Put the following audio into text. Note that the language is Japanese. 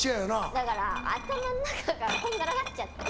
だから頭の中がこんがらがっちゃって。